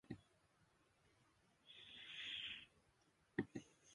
私はあなたのことを愛していました。もう一度、私に振り向いてください。